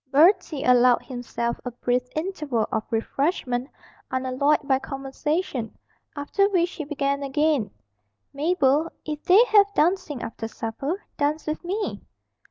Bertie allowed himself a brief interval for refreshment unalloyed by conversation, after which he began again: 'Mabel, if they have dancing after supper, dance with me.'